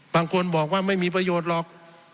บางคนบอกว่าไม่มีประโยชน์หรอก